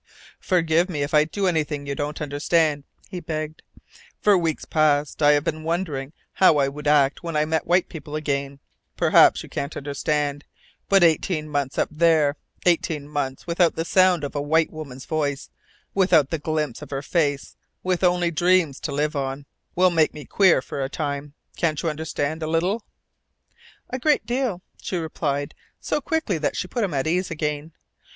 "Forgive me if I do anything you don't understand," he begged. "For weeks past I have been wondering how I would act when I met white people again. Perhaps you can't understand. But eighteen months up there eighteen months without the sound of a white woman's voice, without a glimpse of her face, with only dreams to live on will make me queer for a time. Can't you understand a little?" "A great deal," she replied so quickly that she put him at ease again.